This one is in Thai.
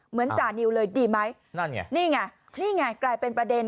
จานิวเลยดีไหมนั่นไงนี่ไงนี่ไงกลายเป็นประเด็น